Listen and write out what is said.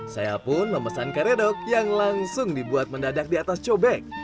saya pun memesan karedok yang langsung dibuat mendadak di atas cobek